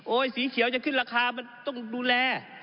สีเขียวจะขึ้นราคามันต้องดูแล